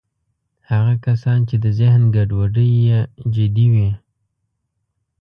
هغه کسان چې د ذهن ګډوډۍ یې جدي وي